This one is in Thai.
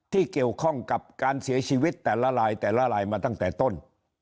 ที่เกี่ยวข้องกับการเสียชีวิตแต่ละลายแต่ละลายมาตั้งแต่ต้น